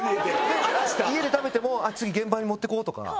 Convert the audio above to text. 家で食べても次現場に持っていこうとか。